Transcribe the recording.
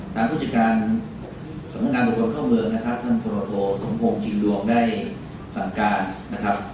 สำนักงานตัวกรเข้าเมืองท่านพลัทโทสมพงศ์ถิวรวงได้สำการ